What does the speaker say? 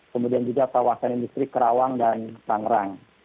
kemudian juga kawasan industri kerawang dan sangrang